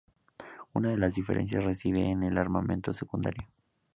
Una de las diferencias reside en el armamento secundario.